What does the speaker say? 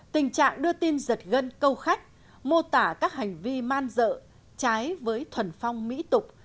tình trạng đưa tin giật gân câu khách mô tả các hành vi man dợ trái với thuần phong mỹ tục